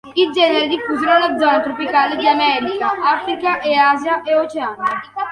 Il genere è diffuso nella zona tropicale di America, Africa e Asia e Oceania.